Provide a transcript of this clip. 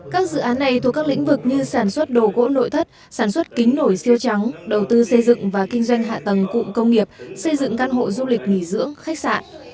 các dự án này thuộc các lĩnh vực như sản xuất đồ gỗ nội thất sản xuất kính nổi siêu trắng đầu tư xây dựng và kinh doanh hạ tầng cụm công nghiệp xây dựng căn hộ du lịch nghỉ dưỡng khách sạn